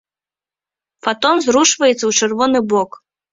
Фатон зрушваецца ў чырвоны бок.